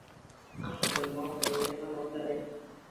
أحمد الله نية وثناء